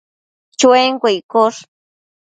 Chuenquio iccosh